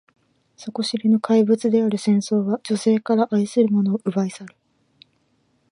底知れぬ怪物である戦争は、女性から愛する者を奪い去る。